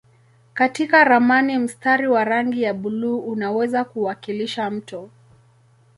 Katika ramani mstari wa rangi ya buluu unaweza kuwakilisha mto.